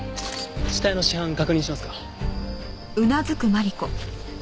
死体の死斑確認しますか？